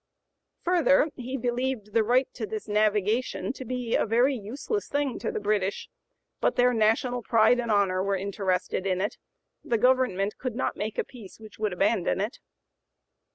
Further he "believed the right to this navigation to be a very useless thing to the British.... But their national pride and honor were interested in it; the (p. 090) government could not make a peace which would abandon it."